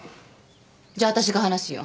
じゃあ私が話すよ。